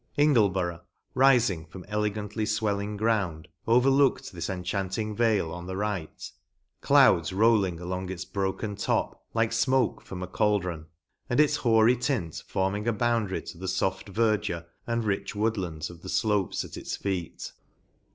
Ingleborough, rifmg from ele gantly fwelling ground, overlooked this en chanting vale, on the right, clouds rolling O 3 [0$ along 198 ENGLAND. along its broken top, like fmoke from a cauldron, and its hoary tint forming a boundary to the foft verdure and rich wood lands of the flopes, at its feet.